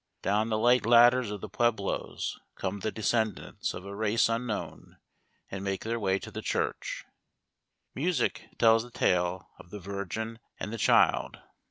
Down the light ladders of the pueblos come the descendants of a race unknown, and make their way to the church. Music tells the tale of the Virgin and the Child.